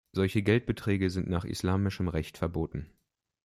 Solche Geldbeträge sind nach islamischem Recht verboten.